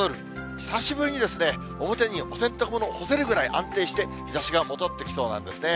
久しぶりにですね、表にお洗濯物干せるぐらい安定して日ざしが戻ってきそうなんですね。